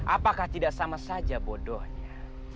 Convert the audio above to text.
apakah tidak sama saja bodohnya